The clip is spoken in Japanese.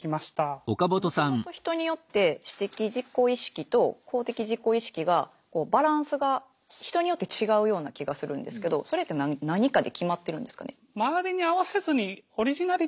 もともと人によって私的自己意識と公的自己意識がバランスが人によって違うような気がするんですけどそれって何かで決まってるんですかね？